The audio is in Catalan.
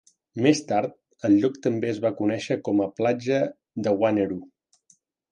Més tard, el lloc també es va conèixer com a "platja de Wanneroo".